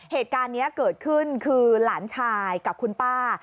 เหตุการณ์นี้เกิดขึ้นคือหลานชายกับคุณป้า